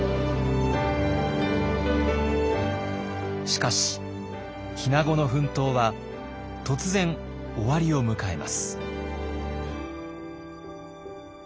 しかし日名子の奮闘は突然終わりを迎えます。